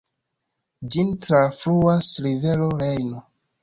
Ĝin trafluas rivero Rejno.